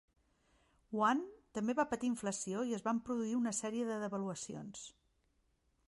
Hwan també va patir inflació i es van produir una sèrie de devaluacions.